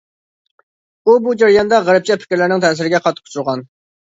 ئۇ بۇ جەرياندا غەربچە پىكىرلەرنىڭ تەسىرىگە قاتتىق ئۇچرىغان.